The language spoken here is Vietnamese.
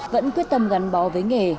vẫn quyết tâm gắn bó với nghề